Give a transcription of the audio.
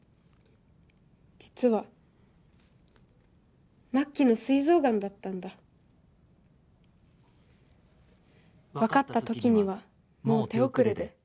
実は末期のすい臓がんだったんだ「分かったときにはもう手遅れで」